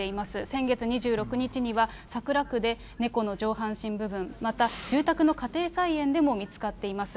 先月２６日には桜区で猫の上半身部分、また住宅の家庭菜園でも見つかっています。